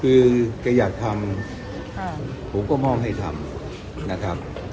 คือแกอยากทำผมก็มอบให้ทำนะครับ